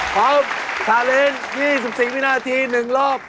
ครับชาเลนส์๒๔วินาที๑รอบ